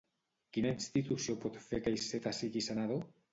Quina institució pot fer que Iceta sigui senador?